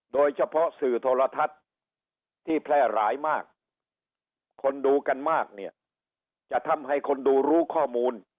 โดยเฉพาะสื่อโทรทัศน์ที่แพร่หลายมากคนดูกันมากเนี่ยจะทำให้คนดูรู้ข้อมูล